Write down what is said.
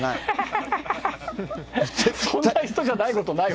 そんな人じゃないことないわ。